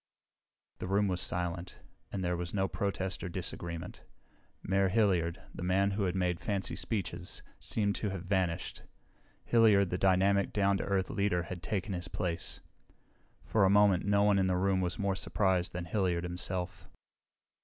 The room was silent, and there was no protest or disagreement. Mayor Hilliard, the man who had made fancy speeches, seemed to have vanished. Hilliard, the dynamic, down to earth leader had taken his place. For a moment no one in the room was more surprised than Hilliard himself.